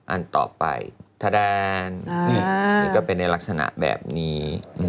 อันต่อไปทะแดนนี่ก็เป็นในลักษณะแบบนี้